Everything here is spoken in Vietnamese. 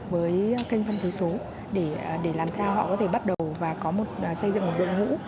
với kênh phân phối số để làm sao họ có thể bắt đầu và có một xây dựng một đội ngũ